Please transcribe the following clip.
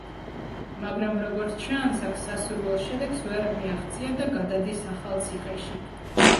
მაგრამ როგორც ჩანს აქ სასურველ შედეგს ვერ მიაღწია და გადადის ახალციხეში.